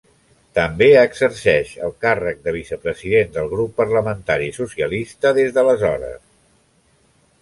També exerceix el càrrec de vicepresident del grup parlamentari socialista des d'aleshores.